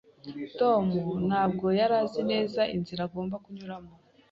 Tom ntabwo yari azi neza inzira agomba kunyuramo.